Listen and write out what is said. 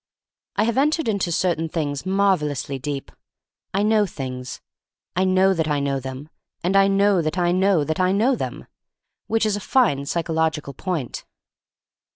I have entered into certain things marvelously deep. I know things, I know that I know them, and I know that I know that I know them, which is a fine psychological point.